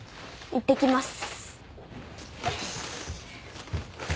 いってきます。